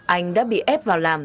anh đã bị ép vào làm